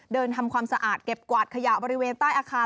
ทำความสะอาดเก็บกวาดขยะบริเวณใต้อาคาร